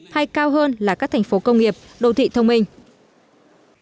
hay cao hơn là các thành phố công nghiệp đô thị thông minh